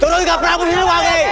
turun ke prabu siliwangi